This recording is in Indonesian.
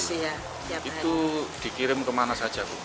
setiap hari itu dikirim ke mana saja